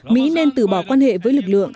mỹ nên từ bỏ quan hệ với lực lượng